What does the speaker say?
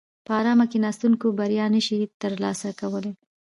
په ارامه کیناستونکي بریا نشي ترلاسه کولای.